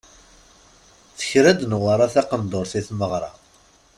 Tekra-d Newwara taqendurt i tmeɣra.